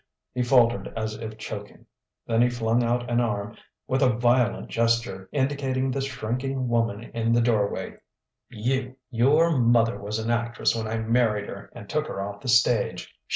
He faltered as if choking. Then he flung out an arm, with a violent gesture indicating the shrinking woman in the doorway. "You your mother was an actress when I married her and took her off the stage.